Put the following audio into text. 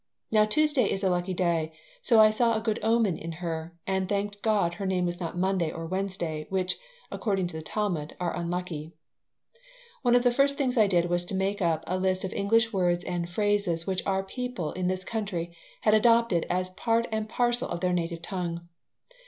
Now Tuesday is a lucky day, so I saw a good omen in her, and thanked God her name was not Monday or Wednesday, which, according to the Talmud, are unlucky One of the first things I did was to make up a list of the English words and phrases which our people in this country had adopted as part and parcel of their native tongue.